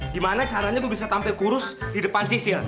gimana caranya gua bisa tampil kurus di depan sisil